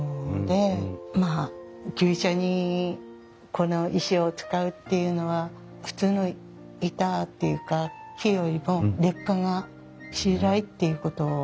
まあ牛舎にこの石を使うっていうのは普通の板っていうか木よりも劣化がしづらいっていうことだと思うんですけれども。